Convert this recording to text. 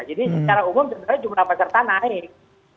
jadi secara umum sebenarnya jumlah peserta naik